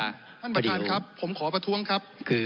ท่านประธานครับผมขอประท้วงครับ